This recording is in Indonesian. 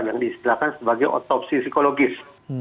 yang diistilahkan sebagai otopsi psikologis